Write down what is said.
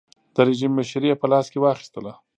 د رژیم مشري یې په لاس کې واخیسته.